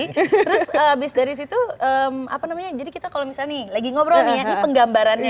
terus abis dari situ apa namanya jadi kita kalau misalnya nih lagi ngobrol nih penggambarannya